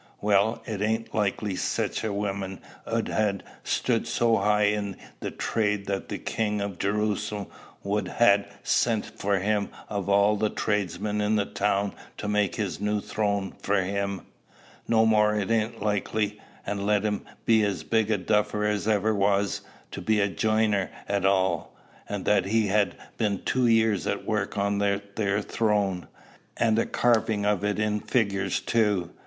"Well, it ain't likely sich a workman 'ud ha' stood so high i' the trade that the king of Jerusalem would ha' sent for him of all the tradesmen in the town to make his new throne for him. No more it ain't likely and let him be as big a duffer as ever was, to be a jiner at all that he'd ha' been two year at work on that there throne an' a carvin' of it in figures too!